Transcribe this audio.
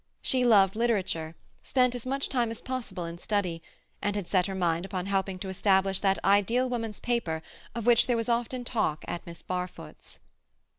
She loved literature, spent as much time as possible in study, and had set her mind upon helping to establish that ideal woman's paper of which there was often talk at Miss Barfoot's.